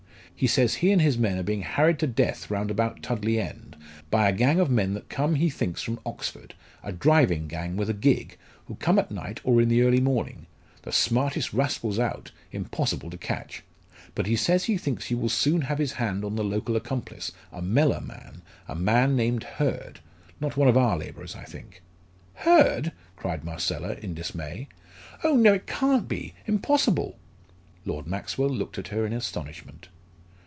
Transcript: He says he and his men are being harried to death round about Tudley End by a gang of men that come, he thinks, from Oxford, a driving gang with a gig, who come at night or in the early morning the smartest rascals out, impossible to catch. But he says he thinks he will soon have his hand on the local accomplice a Mellor man a man named Hurd: not one of our labourers, I think." "Hurd!" cried Marcella, in dismay. "Oh no, it can't be impossible!" Lord Maxwell looked at her in astonishment.